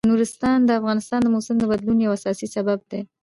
نورستان د افغانستان د موسم د بدلون یو اساسي سبب کېږي.